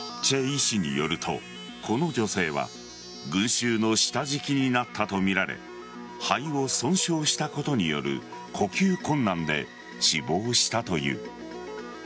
医師によると、この女性は群衆の下敷きになったとみられ肺を損傷したことによる呼吸困難で死亡したという。